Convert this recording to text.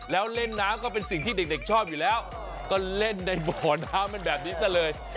แล้วเล่นน้ำก็เป็นสิ่งที่เด็กชอบอยู่แล้วก็เล่นในบ่อน้ำมันแบบนี้ซะเลย